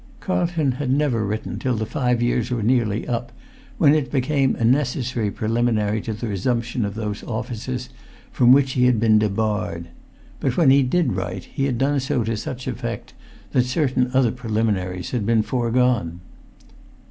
Carlton had never written till the five years were nearly up, when it became a necessary preliminary to the resumption of those offices from which he had been debarred; but, when he did write, he had done so to such effect that certain other preliminaries had been foregone.